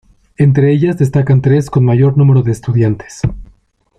Entre ellas destacan tres con mayor número de estudiantes.